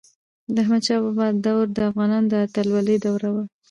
د احمد شاه بابا دور د افغانانو د اتلولی دوره وه.